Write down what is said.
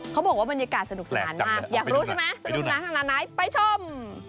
เขาบอกว่าบรรยากาศสนุกสนานมากอยากรู้ใช่ไหมสนุกสนานขนาดไหนไปชม